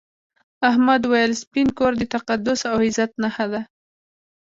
احمد وویل سپین کور د تقدس او عزت نښه ده.